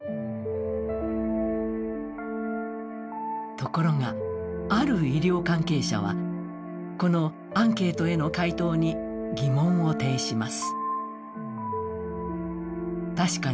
ところが、ある医療関係者は、このアンケートへの回答に疑問を呈します。